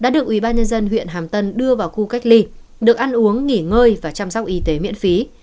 ba nhân dân huyện hàm tân đưa vào khu cách ly được ăn uống nghỉ ngơi và chăm sóc y tế miễn phí